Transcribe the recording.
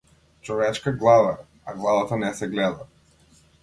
Човечка глава е, а главата не се гледа.